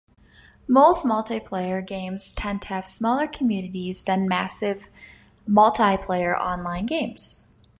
Most multiplayer games tend to have smaller communities then massive multiplayer online games.